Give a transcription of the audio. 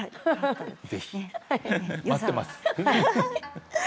ぜひ、待っています。